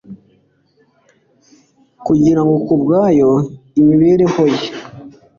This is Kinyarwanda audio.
kugira ngo kubwo imibereho ye